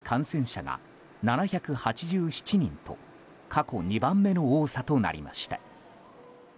そのうち千葉県は新規感染者が７８７人と過去２番目の多さとなりました。